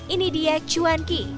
ini dia cuanki